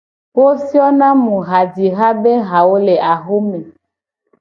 Wo fio na mu hajiha be hawo le axome.